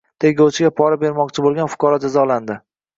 Tergovchiga pora bermoqchi bo‘lgan fuqaro jazolanding